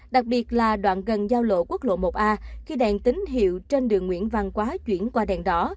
đặc biệt là đoạn gần giao lộ quốc lộ một a khi đèn tín hiệu trên đường nguyễn văn quá chuyển qua đèn đỏ